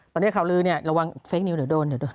ตอนนี้ข่าวลือระวังเฟคนิ้วเดี๋ยวโดนใจเย็น